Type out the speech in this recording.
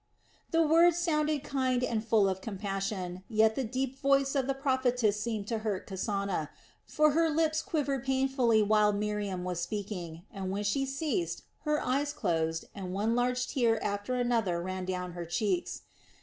The words sounded kind and full of compassion, yet the deep voice of the prophetess seemed to hurt Kasana; for her lips quivered painfully while Miriam was speaking, and when she ceased, her eyes closed and one large tear after another ran down her cheeks.